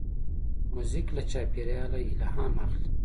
موزیک له چاپېریال الهام اخلي.